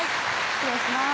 失礼します